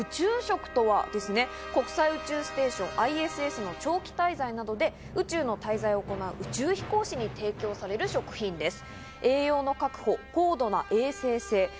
そもそも宇宙食とは国際宇宙ステーションＩＳＳの長期滞在などで宇宙の滞在を行う宇宙飛行士に提供される食品です。